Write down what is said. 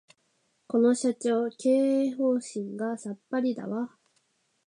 この社長、経営方針がさっぱりだわ